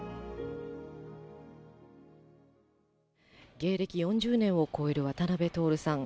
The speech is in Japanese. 芸歴４０年を超える渡辺徹さん。